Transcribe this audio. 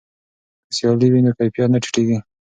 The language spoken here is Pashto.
که سیالي وي نو کیفیت نه ټیټیږي.